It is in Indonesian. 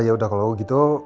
yaudah kalau gitu